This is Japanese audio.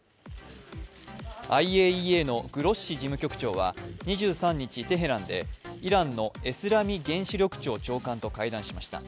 ＩＡＥＡのグロッシ事務局長は２３日テヘランでイランのエスラミ原子力庁長官と会談しました。